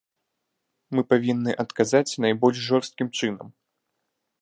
Мы павінны адказаць найбольш жорсткім чынам.